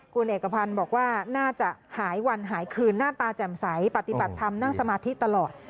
คุณเอกพันธ์บอกว่าน่าจะหายวันหายคืนหน้าตาแจ่มใสปฏิบัติธรรมนั่งสมาธิตลอด